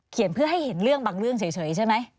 เพื่อให้เห็นเรื่องบางเรื่องเฉยใช่ไหม